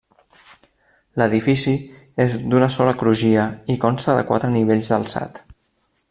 L'edifici és d'una sola crugia i consta de quatre nivells d'alçat.